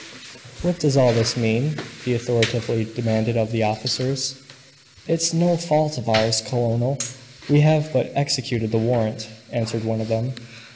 "What does all this mean?" he authoritatively demanded of the officers. "It's no fault of ours, colonel, we have but executed the warrant," answered one of them.